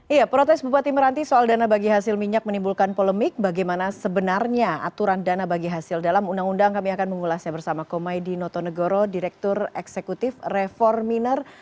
iya protes bupati meranti soal dana bagi hasil minyak menimbulkan polemik bagaimana sebenarnya aturan dana bagi hasil dalam undang undang kami akan mengulasnya bersama komaydi notonegoro direktur eksekutif reforminer